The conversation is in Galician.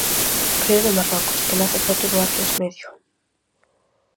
Río de Marrocos que nace preto do Atlas Medio.